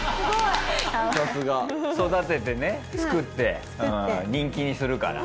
育ててね作って人気にするから。